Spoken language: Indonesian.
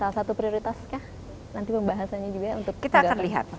salah satu prioritas nanti pembahasannya juga